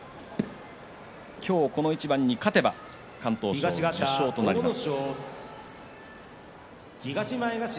今日この一番に勝てば敢闘賞受賞となります。